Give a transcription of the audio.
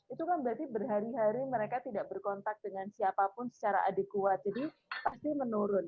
itu kan berarti berhari hari mereka tidak berkontak dengan siapapun secara adikuat jadi pasti menurun